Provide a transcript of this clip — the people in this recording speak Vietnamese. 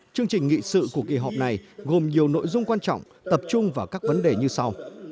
chương trình nghị sự của kỳ họp này gồm nhiều nội dung quan trọng tập trung vào các vấn đề như sau